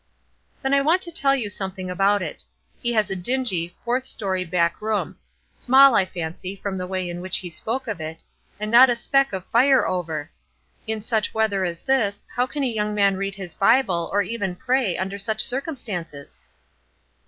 "Then I want to tell you something about it. He has a dingy, fourth story back room; small, I fancy, from the way in which he spoke of it, and not a speck of fire over! In such weather as this, how can a young man read his Bible, or even pray, under such circumstances?"